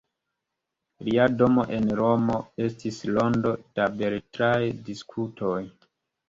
Lia domo en Romo estis rondo da beletraj diskutoj.